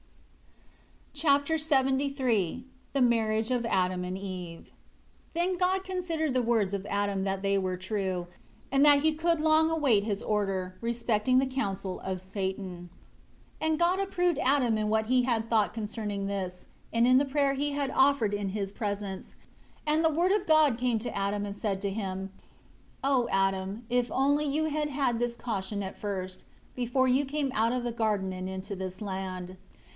Chapter LXXIII The marriage of Adam and Eve. 1 Then God considered the words of Adam that they were true, and that he could long await His order, respecting the counsel of Satan. 2 And God approved Adam in what he had thought concerning this, and in the prayer he had offered in His presence; and the Word of God came to Adam and said to him, "O Adam, if only you had had this caution at first, before you came out of the garden into this land!"